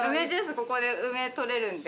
ここで梅とれるんで。